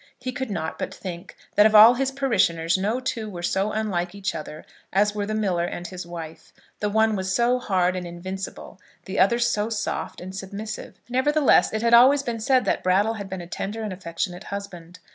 He could not but think that of all his parishioners no two were so unlike each other as were the miller and his wife. The one was so hard and invincible; the other so soft and submissive! Nevertheless it had always been said that Brattle had been a tender and affectionate husband.